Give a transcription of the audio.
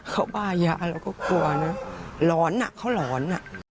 เขาบ้ายาเราก็กลัวนะร้อนเขาหลอน